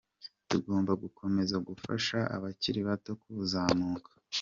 Tugomba gukomeza gufasha abakiri bato kuzamuka.